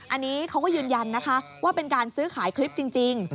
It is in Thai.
อันนี้เขาก็ยืนยันนะคะว่าเป็นการซื้อขายคลิปจริง